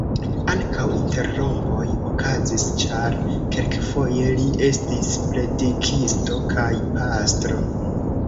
Ankaŭ interrompoj okazis, ĉar kelkfoje li estis predikisto kaj pastro.